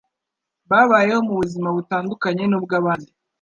babayeho mu buzima butandukanye n'ubw'abandi,